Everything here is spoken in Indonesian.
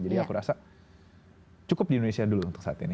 jadi aku rasa cukup di indonesia dulu